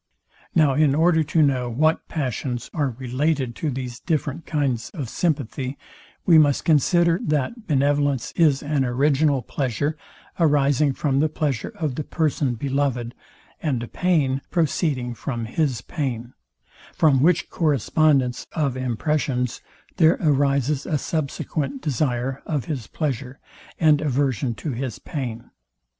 Now in order to know what passions are related to these different kinds of sympathy, we must consider, that benevolence is an original pleasure arising from the pleasure of the person beloved, and a pain proceeding from his pain: From which correspondence of impressions there arises a subsequent desire of his pleasure, and aversion to his pain.